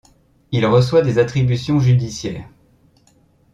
Il reçoit des attributions judiciaires.